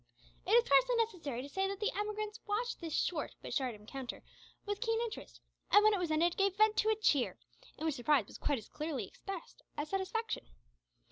It is scarcely necessary to say that the emigrants watched this short but sharp encounter with keen interest, and when it was ended gave vent to a cheer, in which surprise was quite as clearly expressed as satisfaction.